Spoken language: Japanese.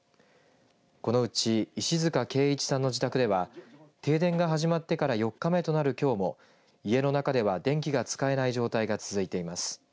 このうち石塚慶一さんの自宅では停電が始まってから４日目となるきょうも家の中では電気が使えない状態が続いています。